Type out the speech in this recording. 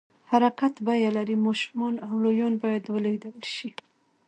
حرکت بیه لري، ماشومان او لویان باید ولېږدول شي.